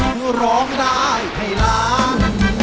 เพื่อร้องได้ให้ร้าน